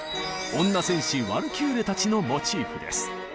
女戦士ワルキューレたちのモチーフです。